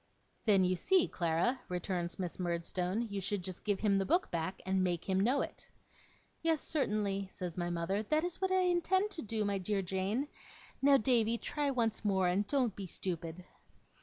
'Then, you see, Clara,' returns Miss Murdstone, 'you should just give him the book back, and make him know it.' 'Yes, certainly,' says my mother; 'that is what I intend to do, my dear Jane. Now, Davy, try once more, and don't be stupid.